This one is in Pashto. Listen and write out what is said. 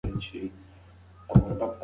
ذهني فشار وېښتې تویېږي.